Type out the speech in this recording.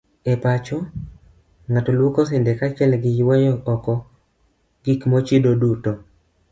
E pacho, ng'ato luoko sende kaachiel gi yweyo oko gik mochido duto.